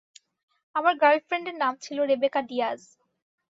আমার গার্লফ্রেন্ডের নাম ছিল রেবেকা ডিয়াজ।